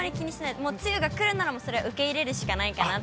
もう梅雨が来るならそれを受け入れるしかないかなって。